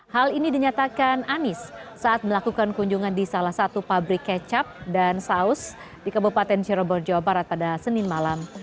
hal ini dinyatakan anies saat melakukan kunjungan di salah satu pabrik kecap dan saus di kabupaten cirebon jawa barat pada senin malam